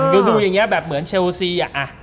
คือดูอย่างเนี่ยเหมือนเชลซี